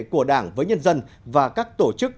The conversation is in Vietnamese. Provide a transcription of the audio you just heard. của đảng với nhân dân và các tổ chức